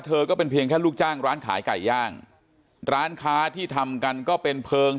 ก็เป็นเพียงแค่ลูกจ้างร้านขายไก่ย่างร้านค้าที่ทำกันก็เป็นเพลิง